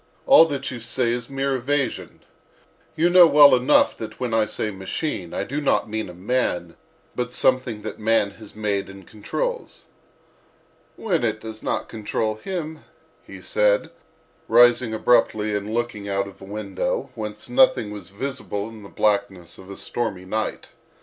—all that you say is mere evasion. You know well enough that when I say 'machine' I do not mean a man, but something that man has made and controls." "When it does not control him," he said, rising abruptly and looking out of a window, whence nothing was visible in the blackness of a stormy night.